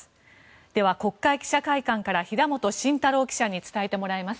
では、国会記者会館から平元真太郎記者に伝えてもらいます。